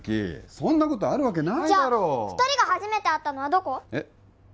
そんなことあるわけないだろうじゃ二人が初めて会ったのはどこえっ？